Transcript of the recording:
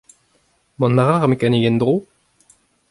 Mont a ra ar mekanik en-dro ?